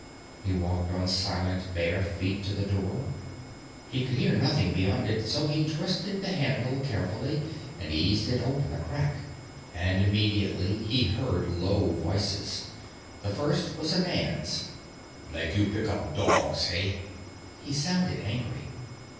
He walked on silent bare feet to the door. He could hear nothing beyond it, so he twisted the handle carefully and eased it open a crack. And immediately he heard low voices. The first was a man's. "... Like you pick up dogs, hey." He sounded angry.